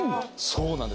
そうなんです。